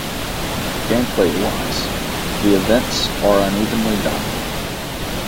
Gameplaywise, the events are unevenly done.